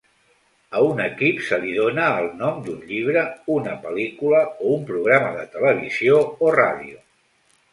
A un equip se li dóna el nom d'un llibre, una pel·lícula, o un programa de televisió o ràdio.